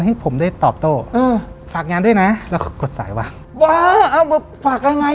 ให้ผมได้ตอบโต้เออฝากงานด้วยนะแล้วก็กดสายว่าว้าเอามาฝากยังไง